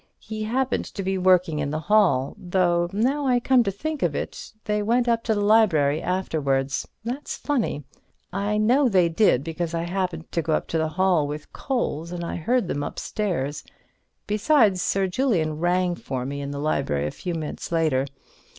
He happened to be working in the hall. Though now I come to think of it, they went up to the library afterwards. That's funny. I know they did, because I happened to go up to the hall with coals, and I heard them upstairs. Besides, Sir Julian rang for me in the library a few minutes later.